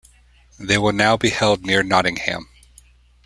They will now be held near Nottingham.